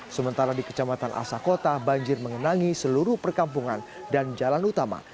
sementara di kecamatan asakota banjir mengenangi seluruh perkampungan dan jalan utama